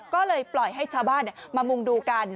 ก็เลยปล่อยให้ชาวบ้านมามุงดูกัน